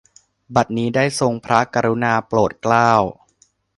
บัดนี้ ได้ทรงพระกรุณาโปรดเกล้า